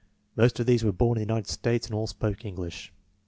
Most of these were born in the United States and all spoke English.